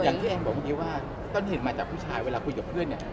อย่างที่แอนบอกเมื่อกี้ว่าต้นเหตุมาจากผู้ชายเวลาคุยกับเพื่อนเนี่ย